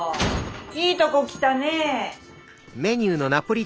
いいとこ来たねえ。